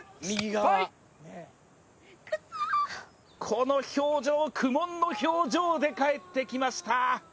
この表情、苦悶の表情で帰ってきました。